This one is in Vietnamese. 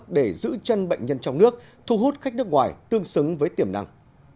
để giữ chân bệnh nhân trong nước thu hút khách nước ngoài tương xứng với tiềm năng